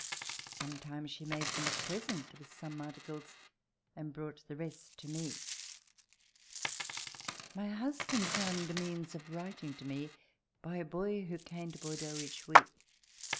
Sometimes she made them a present of some articles and brought the rest to me. My husband found means of writing me, by a boy who came to Bordeaux each week.